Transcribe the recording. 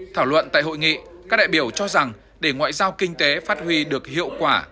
thảo luận tại hội nghị các đại biểu cho rằng để ngoại giao kinh tế phát huy được hiệu quả